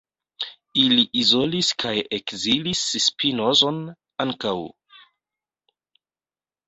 Ili izolis kaj ekzilis Spinozon ankaŭ.